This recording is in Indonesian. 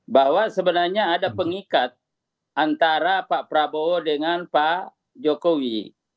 bahwa sebenarnya ada pengikat antara pak prabowo dengan pak jokowi